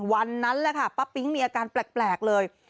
วันนั้นแหละค่ะป้าปิ๊งมีอาการแปลกเลย